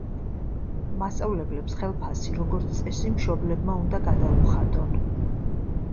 მასწავლებლებს ხელფასი როგორც წესი მშობლებმა უნდა გადაუხადონ.